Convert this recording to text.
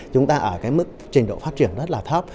chúng ta ở cái mức trình độ phát triển rất là thấp